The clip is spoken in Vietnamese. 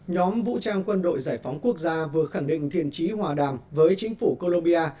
nhóm vũ trang quân đội giải phóng quốc gia vừa khẳng định thiền trí hòa đàm với chính phủ colombia